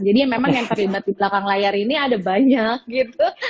jadi memang yang terlibat di belakang layar ini ada banyak gitu